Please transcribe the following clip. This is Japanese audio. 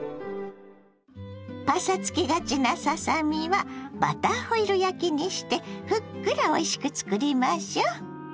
パサつきがちなささ身はバターホイル焼きにしてふっくらおいしく作りましょう。